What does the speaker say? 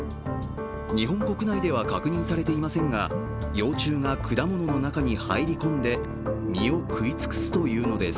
日本国内では確認されていませんが幼虫が果物の中に入り込んで実を食い尽くすというのです。